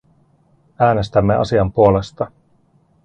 Äänestämme asian puolesta.